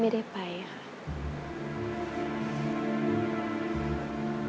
ไม่ได้ไปค่ะ